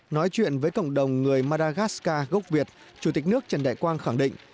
nói chuyện với cộng đồng người maragascar gốc việt chủ tịch nước trần đại quang khẳng định